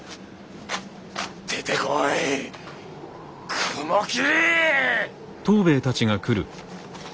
出てこい雲霧！